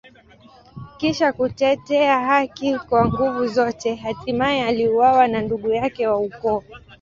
Kisha kutetea haki kwa nguvu zote, hatimaye aliuawa na ndugu yake wa ukoo.